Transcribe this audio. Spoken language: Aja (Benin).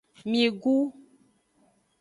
Migu.